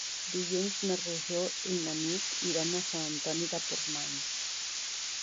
Dilluns na Rosó i na Nit iran a Sant Antoni de Portmany.